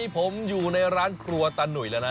ผมอยู่ในร้านครัวตาหนุ่ยแล้วนะ